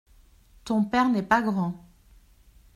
Ton père n’est pas grand.